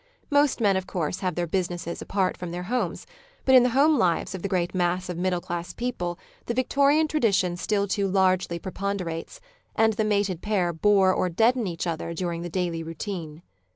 Most men, of course, have their businesses apart from their homes, but in the home lives of the great mass of middle class people the Victorian tradition still too largely preponderates, and the mated pair bore or deaden each other during the daily routine.